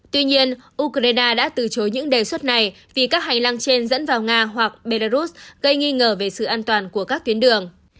tuy nhiên ukraine đã từ chối những đề xuất này vì các hành lang trên dẫn vào nga hoặc belarus gây nghi ngờ về sự an toàn của các tuyến đường